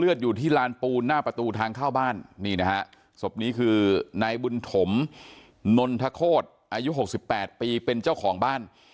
อยู่ที่ลานปูนหน้าประตูทางเข้าบ้านนี่นะฮะศพนี้คือนายบุญถมนนทโคตรอายุ๖๘ปีเป็นเจ้าของบ้าน